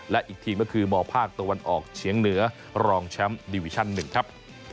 และอีกทีมก็คือมภาคตะวันออกเฉียงเหนือรองแชมป์ดิวิชั่น๑ครับ